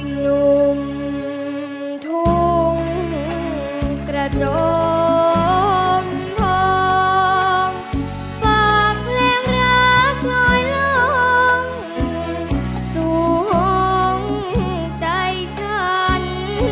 หนุ่มทุ่งกระจงทองฝากเพลงรักลอยลองสูงใจฉัน